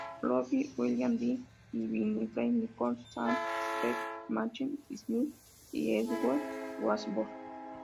Lowry, William, Ben y Winifred Nicholson, Stanley Spencer, Matthew Smith y Edward Wadsworth.